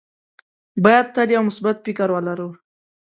باید تل یو مثبت فکر ولره.